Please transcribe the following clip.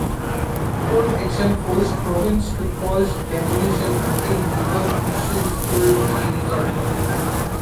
Court action forced province to pause demolition until legal issues could be resolved.